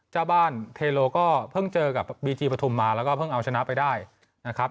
เจ้าบ้านเทโลก็เพิ่งเจอกับบีจีปฐุมมาแล้วก็เพิ่งเอาชนะไปได้นะครับ